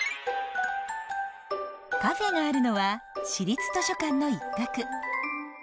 カフェがあるのは市立図書館の一角。